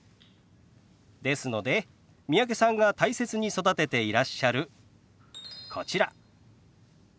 ですので三宅さんが大切に育てていらっしゃるこちら。